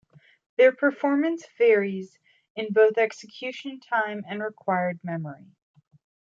Their performance varies in both execution time and required memory.